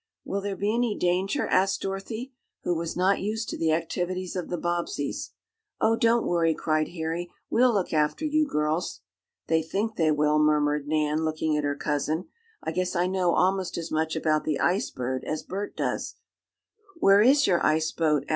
"Will there be any danger?" asked Dorothy, who was not used to the activities of the Bobbseys. "Oh, don't worry!" cried Harry. "We'll look after you girls." "They think they will," murmured Nan looking at her cousin, "I guess I know almost as much about the Ice Bird as Bert does." "Where is your ice boat?"